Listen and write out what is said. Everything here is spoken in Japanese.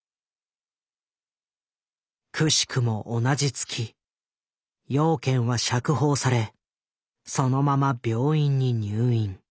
くしくも同じ月養賢は釈放されそのまま病院に入院。